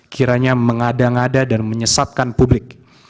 kiranya mengada ngada dan menyesatkan publik